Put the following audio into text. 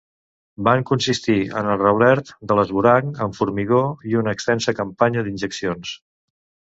Van consistir en el reblert de l'esvoranc amb formigó i una extensa campanya d'injeccions.